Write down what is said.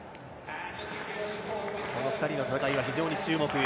この２人の戦いは非常に注目。